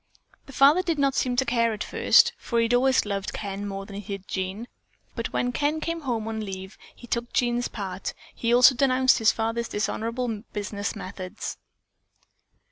"The father did not seem to care at first, for he had always loved Ken more than he did Jean, but when Ken came home on a leave he took Jean's part, and also denounced his father's dishonorable business methods."